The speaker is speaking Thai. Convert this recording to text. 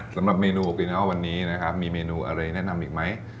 สำหรับเมนูวันนี้มีเมนูอะไรแนะนำอีกไหม